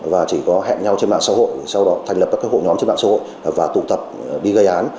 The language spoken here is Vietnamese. và chỉ có hẹn nhau trên mạng xã hội sau đó thành lập các hội nhóm trên mạng xã hội và tụ tập đi gây án